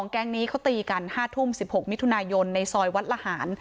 แก๊งนี้เขาตีกัน๕ทุ่ม๑๖มิถุนายนในซอยวัดละหาร